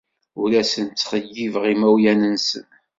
Ur asen-ttxeyyibeɣ imawlan-nsen.